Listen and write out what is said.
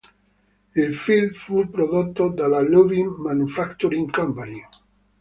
Il film fu prodotto dalla Lubin Manufacturing Company.